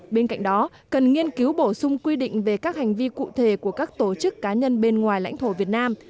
bên cạnh đó cần nghiên cứu bổ sung quy định về các hành vi cụ thể của các tổ chức cá nhân bên ngoài lãnh thổ việt nam